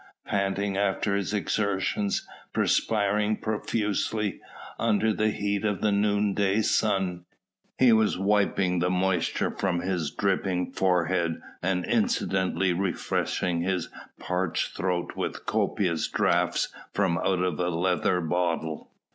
Panting after his exertions, perspiring profusely under the heat of the noonday sun, he was wiping the moisture from his dripping forehead and incidentally refreshing his parched throat with copious drafts from out a leather bottle.